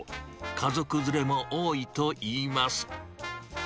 家族連れも多いといいます。